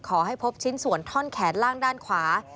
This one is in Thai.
พบชิ้นส่วนท่อนแขนล่างด้านขวา